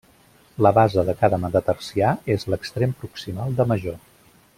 La base de cada metatarsià és l'extrem proximal de major.